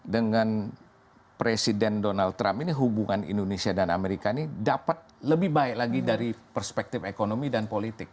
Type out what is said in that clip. dengan presiden donald trump ini hubungan indonesia dan amerika ini dapat lebih baik lagi dari perspektif ekonomi dan politik